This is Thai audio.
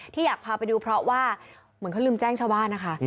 อยากพาไปดูเพราะว่าเหมือนเขาลืมแจ้งชาวบ้านนะคะ